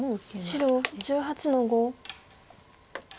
白１８の五。